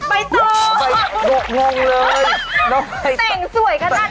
ใบเตย